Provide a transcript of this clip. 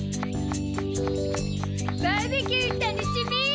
バーベキュー楽しみ！